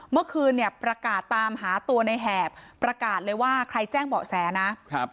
เมื่อคืนเนี่ยประกาศตามหาตัวในแหบประกาศเลยว่าใครแจ้งเบาะแสนะครับ